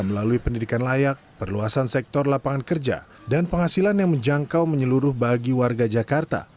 melalui pendidikan layak perluasan sektor lapangan kerja dan penghasilan yang menjangkau menyeluruh bagi warga jakarta